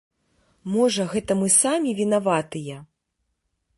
Можа, гэта мы самі вінаватыя?